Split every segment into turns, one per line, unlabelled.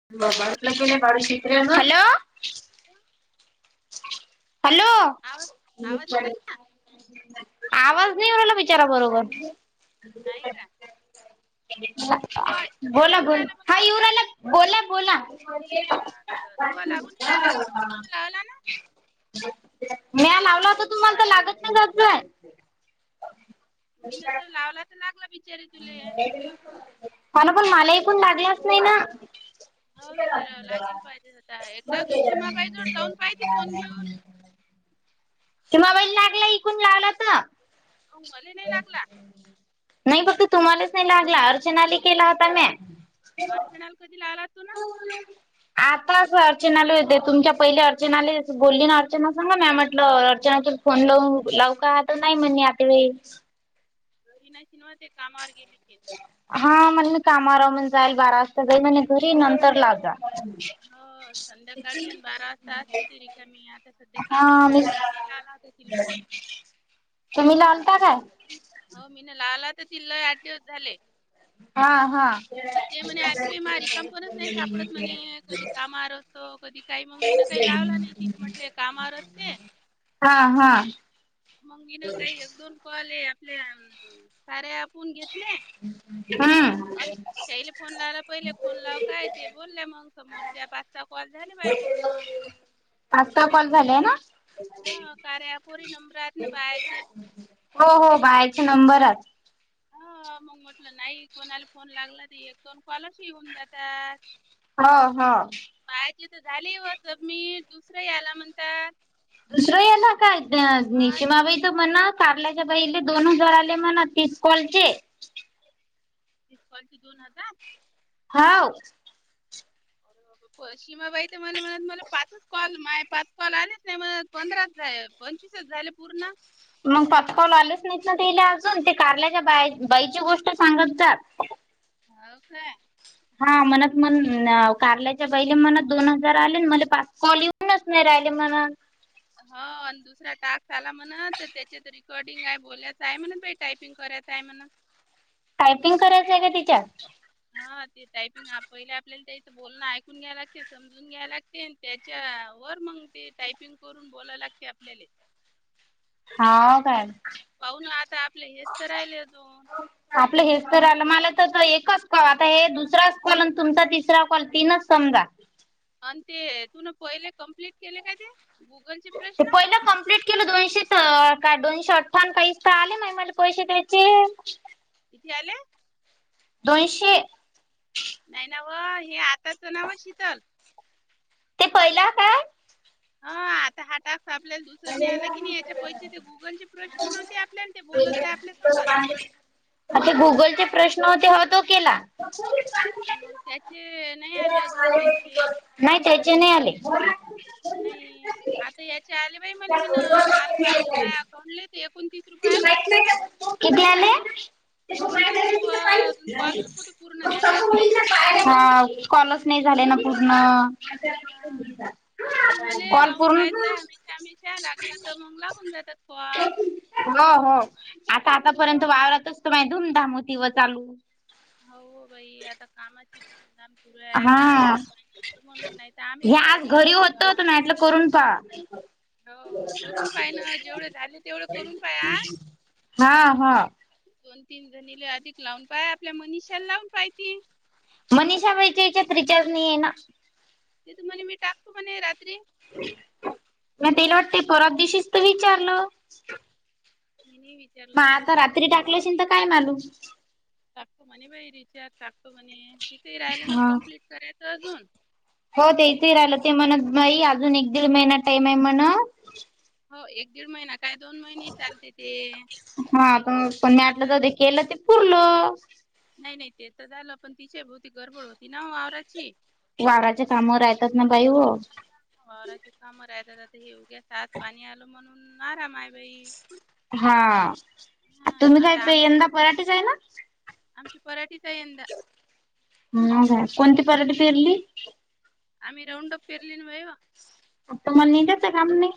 [unintelligible] Hello hello
आवाज
आवाज नाही येऊ राहिला बिचारा बरोबर.
नाही का तू आ- तू
बोला,
येऊ
बोला
राहिला म्हणे
हा येऊ
केल्या
रायला? बोला, बोला.
तू लागून नाही राहिला का फोन
[inaudible]
तुम्ही लावला ना
म्या लावला होता तुम्हाला, तर लागत ना जात जाय.
तीन तर लावला तर लागला बिचारी तुले
हाना पण मला ईकूण लागलाच नाही ना.
हो विचारावं लागेल पाहिजे आता एकदा तू सीमाबाई जवळ जाऊन पाहिजे फोन घेऊन
[inaudible] सीमाबाईला लागला. इकून लावला त.
हो मले नाही लागला.
नाही फक्त तुम्हालाच नाही लागला. अर्चनाला केला होता म्या.
अर्चनाला कधी लावला तोना?
आता असं अर्चनाले होते. तुमच्या पहिले अर्चनाला बोलली ना. अर्चना संग म्या म्हटलं अर्चना तू फोन लाव लावू का? त नाही म्हणे आत्या बाई.
घरी नाहीते. कामावर गेले ते.
हा म्हण मी कामा [unintelligible] जाईल बारा वाजता जाईल म्हणे घरी नंतर लाव जा.
हो संध्याकाळीन बारा वाजता असते ती रिकामी. आता सध्या कामावर आहे. मी तिलाल तिला फोन.
तुम्ही लालता काय?
हो मी न लावला होता तिला. आठ दिवस झाले.
हा हा.
ते म्हणे आती बाई माह रिकाम पणच नाही सापडत म्हणे. कधी कामावर असतो. कधी काही. मग मीन काही लावला नाही तिले. म्हटले हे कामावर असते.
हा हा.
मग मी न काही एक दोन कॉल हे आपल्या अम्म कार्या ऍपून घेतले.
ह.
अन त्याला फोन लावला पहिले. फोन लाव काय? ते बोलल्या मग समोरच्या. पाचसहा कॉल झाले माहे पूर्ण.
पाच सहा कॉल झालेय ना?
हा कार्या अँपवरही नंबर आहेत ना बायांचे.
हो हो बाहाचे नंबरच.
ह मग म्हटलं नाही कोणाला फोन लागला त, एक दोन कॉलस येऊन जातात.
ह ह.
बाहाचे तर झाले ओ सबमिट. दुसरं याला म्हणतात.
दुसरं याला काय? नि
हा
शिमाबाई त म्हन कारल्याच्या बाहिले दोन हजार आले म्हण तीस कॉलचे.
तीस कॉलचे दोन हजार?
हाव.
[unintelligible] सीमाबाई त मला म्हण. मला पाच कॉल माहे पाच कॉल आलेच नाही म्हण. पंधराच झाले. पंचवीसच झाले पूर्ण.
मग पाच कॉल आलेच नाहीत ना तेला अजून. ते कारल्याच्या बा बाईची गोष्ट सांगत होत्या.
हव का?
हा म्हणत म कारल्याच्या बाईला म्हण दोन हजार आले. मले पाच कॉल ये उनच नाही राहिले म्हण.
हा अंन दुसरा टास्क आला म्हण. त्याच्यात रेिकॉर्डिंग आहे, बोयचं आहे म्हण. टायपिंग करायच आहे म्हण.
टायपिंग करायचंय का तिच्यात.
हा ते टायपिंग पहिले आपल्याला त्याच बोलण ऐकून घ्याय लागते मज... जून घ्याय लागते आणि त्याच्या वर मग ते टायपिंग करून बोला लागते आपल्याला.
हा काय?
पाऊ ना आता आपले हेच तर राहिले अजून.
आपल हेच तर आल मला तर एकच कॉ आता हे दुसरा कॉल आणि तुमचा तिसरा कॉल तीनच समजा.
आन ते तू न पहिले कमप्लीट केले काय ते? गुगलचे
ते
प्रश्न
पहिल क्प्लीट.. केलं दोनशे तर काय दोनशे अठ्ठा काही तर आले माहि मला पैसे द्यायचे
किती आल?
दोनशे.
नाही नाव हे आताचं नव शीतल
ते पहिला काय
ह हा टास्क आपल्याला दुसरने आला की नाही याच्या पहिजे ते गुगलचे प्रश्न नव्हते आपल्याला ते बोलत जाय आपल्यासोबत
अते गुगलचे प्रश्न होते ह तो केला. [inaudible]
मग त्याचे नाही आले अजून पैसे.
नाही त्याचे नाही आले.
नाही आता याच्या आले बाई मला मी न काल पाहिल माया अकाउडले एक...
कती आले? [inaudible]
एकोणतीस रुपये अजून कॉलच कुठे पूर्ण झाले आपले
हा कॉलस नाही झाले ना पूर्ण.
हा.
[inaudible]
तू म्हले
कॉल
लावून
पूर्ण
पाळायचय हमेशा हमेशा लागला तर मग लागून जातात कॉल. [unintelligible]
हो हो आता आतापर्यंत वावरातचत माहि धूमधाम होती व चालू.
हाव व बाई आता कामाच हे ना चालू.
हा
नाही तर आम्ही
हे
वावरात
आज घरी
चाललो होतो
होत
आज.
ते मी म्हटल करून पाहा. ह.
हो हो करून पाय ना जेवढे झाले तेवढे करून पाया आ.
हा हा.
दोन तीन जणीले अधिक लावून पाय आपल्या मनिशाला लावून पाय तिन.
मनीषाबाईच्यायाचात रिचार्ज नाही हे ना.
ते तमन्ना मी टाकतो म्हणे रात्री.
मि तिला वाटते पराच्या दिशीस तर विचारल.
[inaudible]
मग आता रात्री
संध्याकाळी
टाकल्या अशिन तर काय मालूम.
टाकतो म्हणे बाई रिचार टाकतो म्हणे तिथे राहिल ना
हा
कम्प्लीट करायच अजून.
हो तेचही राहिल ते म्हणत बई अजून एक दीड महिना टाईम आहे म्हण.
हो एक दीड महिना काय दोन महिने चालते ते, आता...
केल ते पुरल.
नाही नाही ते तर झाल पण तिच्या भोती गडबड होती ना वावराची.
वावराचे काम राहतात ना बाई हो.
वावराची काम राहता ते हे ऊगच आज पाणी आल म्हणून.. आ माय बाई
हा
हा आता आमच... [unintelligible]
मराठीच आहे ना.
आमची पराठीच यंदा.
ह का कोणती पराठी पेरली.
आम्ही राऊंड अप फेरलि न होय हो.
मग त मला यनिदाच काम नाही.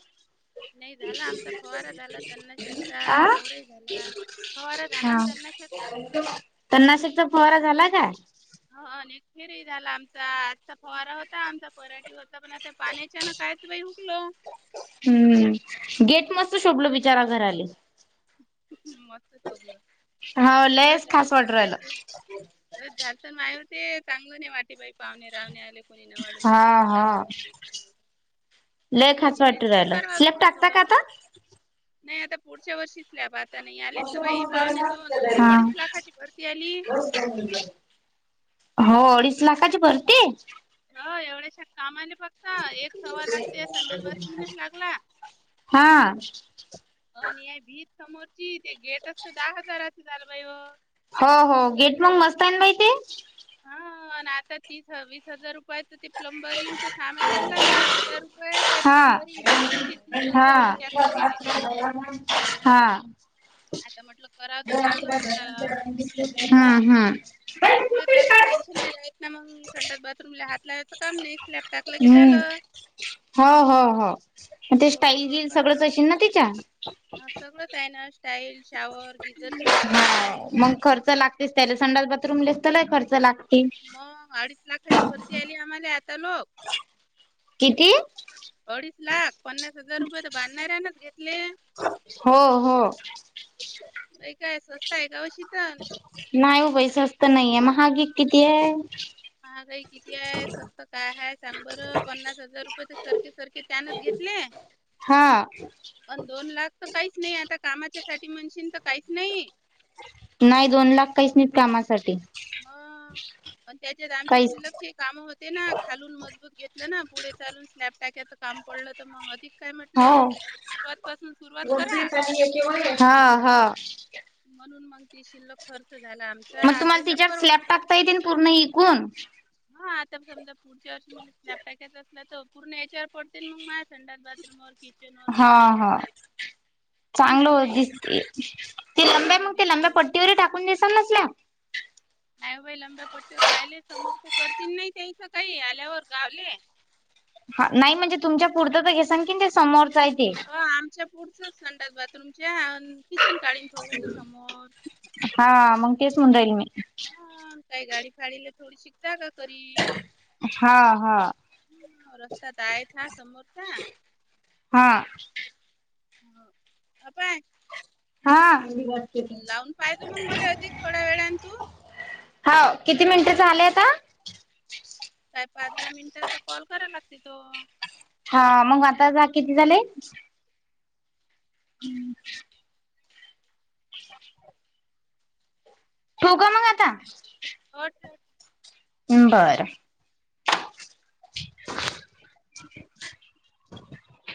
नाही
[unintelligible]
झाला आमचा फवारा झाला त्यांना शेकचा
आ?
डवराही झाला फवारा झाला
हा.
आणि त्यांना शेकचा
तर नाशिकचा फुवारा झाला का?
ह न फेरी झाला आमचा आजचा फवारा होता आमचा पराठी होता पण आता पाण्याच्यान कायच बाई हुकलो
हम्म गेट मस्त
आता
शोभल बिचारा घराले.
[unintelligible]
हो लयस खास वाटू राहील
लयच झारत न मायर ते चांगलं नाही वाटे बाई पाहुणे रावणे आले कुणी ना वाड लोक
हा
को तांग
हा
नाही देेते
लय
म्हटलं
खास
धीरे -
वाटू
धीरे
राहिलं
कराव
स्लॅब
थोडं -
टाकता
थोडं.
का आता
नाही आता पुढच्या वर्षीच स्लॅब आत ताने नाही आलेस तर बाई पावणे दोन
हा
अडीच लाखाची भरती आली.
हो अडीच लाखाची भर्ती?
हो एवढ्याशा कामाने बघ फक्त एक सवा -लाख ते संडास बाथरूमलेच लागला.
हा
अनि आहे भीत समोरची ते गेट असत दहा हजाराच झालं बाई व.
हो हो गेट मग मस्त आहे न बई ते.
हा आणि आता तीस - वीस हजार रुपयात तर ते प्लंबरिंगच सामान आणलन दहा हजार रुपये ते
हा
प्लंबरिंग बसवायचे तीस हजार रुपये त्यात कती गेले?
हा.
आता म्हटलं
[unintelligible]
करावं तर चांगलंच करावं.
हा हा.
पुढेेच अन् टेन्शन नाही राहीत ना मग संडास बाथरूमले हात लावयचं काम नाही स्लॅब टाकलं की
हम्म
झालं.
हो हो हो ते
थोडं
स्टाईल
थोडं
जीन
करा.
सगळंच अशेल ना तिच्या.
हा सगळंच आहे ना स्टाईल शॉवर गीजर ची मशीन आहे.
हा मग खर्च लागत दिस त्याला संडास बाथरूमला दीसतलाई खर्च लागते.
मग अडीच लाखाची भरती आली आम्हाला आता लोक.
किती?
अडीच लाख पन्नास हजार रुपये तर बांधणाऱ्यानच घेतले.
हो हो.
ते काय स्वस्त आहे का वा अशी तर.
नाही व बई सस्त तर नाहीये महाग एक किती आहे.
महागाई किती आहे स्वस्त काय हाय सांग बरं पन्नास हजार रुपये तर सरकी सरकीत. त्यानच घेतले.
हा.
अन् दोन लाख तर काहीच नाही आता कामाच्या साठी म्हणशीन तर काहीच नाही.
नाही दोन लाख काहीच नाहीत कामासाठी.
म पण त्याच्यात आमची
काहीच
शिल्लक ये कामे होते ना खालून मजबूत घेतलं ना पुढे चालून स्लॅब टाकायच काम पडलं तर मग अधिक काय
हो.
म्हटलं सुरुवात पासून सुरुवात करा
[unintelligible] हा हा.
म्हणून मग ते शिल्लक खर्च झाला आमचा
मग तुम्हाला
आताचा
तिच्यावर स्लॅब
परवडते.
टाकता पूर्ण विकून.
हा आता समजा पुढच्या वर्षी मला स्लॅब टाकायचा असला तर. पूर्ण याच्यावर पडतेन मग मा संतात बाात्रूमवर.
हा हा. चांगल
टेन्शन
हो
नाही
दिसते ती लंब्या
चांगलं
मग ते लांब्या
दिसते.
पट्टीवर टाकून दिसाल नसल्या.
नाही बाई लंब्या पट्टीवर कायले समोर ते करतील नाही त्याचं काही आल्यावर गावले.
हा नाही म्हणजे तुमच्या पुरतं तर घेसान की ते समोरचं आहे ते.
हो आमच्या पुढचच संतात बाथरूमच्या किचन काढन थोडस समोर.
हा मग केस म्हण राईल मी.
ह काही गाडी फाडीला थोडी शिकता का करीन.
हां हां.
हं, रस्ता तर आहेच हा समोरचा.
हां.
[unintelligible]
हां.
लावून पाहिजे मग मला होती थोड्या वेळान तू.
हो किती मिनिटे झाले आता?
काय पाच दहा मिनिटाचा कॉल कराय लागते तो.
हा मग आता जा किती झाले? हम्. ठो का
हॅलो
मग आता.
[inaudible]
हम्म बरं. [inaudible]